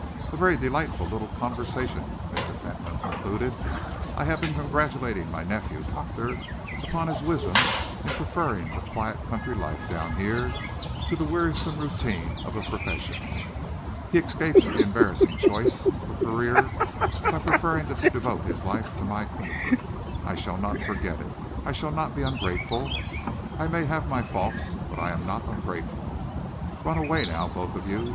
"A very delightful little conversation," Mr. Fentolin concluded. "I have been congratulating my nephew, Doctor, upon his wisdom in preferring the quiet country life down here to the wearisome routine of a profession. He escapes the embarrassing choice of a career by preferring to devote his life to my comfort. I shall not forget it. I shall not be ungrateful. I may have my faults, but I am not ungrateful. Run away now, both of you.